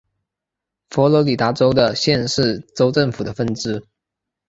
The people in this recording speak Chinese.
佛罗里达州的县是州政府的分支。